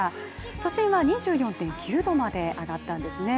都心は２４．９度まで上がったんですね。